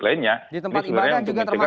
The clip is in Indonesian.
lainnya ini sebenarnya untuk kepentingan